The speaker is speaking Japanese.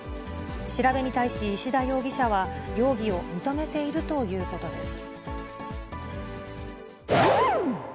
調べに対し石田容疑者は容疑を認めているということです。